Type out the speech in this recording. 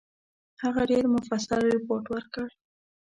هغه ډېر مفصل رپوټ ورکړ.